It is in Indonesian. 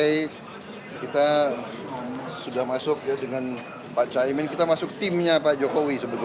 ini sudah katakan tum praticamente